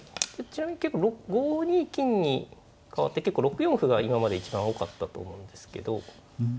ちなみに結構５二金にかわって６四歩が今まで一番多かったと思うんですけど。